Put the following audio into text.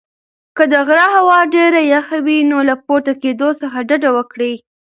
که د غره هوا ډېره یخه وي نو له پورته کېدو څخه ډډه وکړئ.